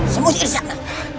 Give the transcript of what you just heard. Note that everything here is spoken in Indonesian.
semuanya isi aku